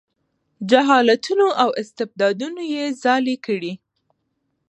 جهالتونو او استبدادونو یې ځالې کړي.